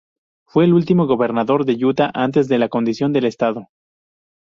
Fue el último Gobernador de Utah antes de la condición del estado.